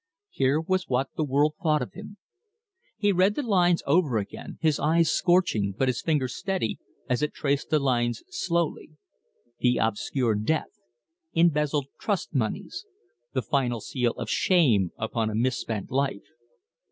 Here was what the world thought of him he read the lines over again, his eyes scorching, but his finger steady, as it traced the lines slowly: "the obscure death..." "embezzled trustmoneys..." "the final seal of shame upon a misspent life!"